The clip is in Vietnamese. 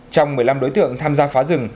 trong một mươi năm đối tượng tham gia phá rừng